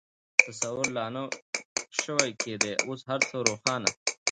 تصور لا نه شوای کېدای، اوس هر څه روښانه.